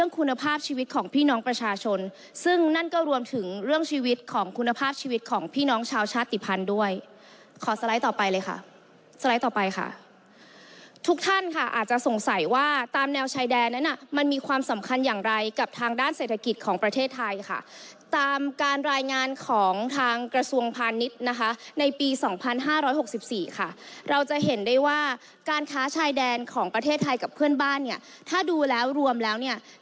ของพี่น้องชาวชาติภัณฑ์ด้วยขอสไลด์ต่อไปเลยค่ะสไลด์ต่อไปค่ะทุกท่านค่ะอาจจะสงสัยว่าตามแนวชายแดนนะมันมีความสำคัญอย่างไรกับทางด้านเศรษฐกิจของประเทศไทยค่ะตามการรายงานของทางกระทรวงพาณนิตนะคะในปีสองพันห้าร้อยหกสิบสี่ค่ะเราจะเห็นได้ว่าการค้าชายแดนของประเทศไทยกับเพื่อนบ้านเ